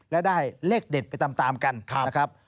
และได้เลขเด็ดไปตามกันนะครับ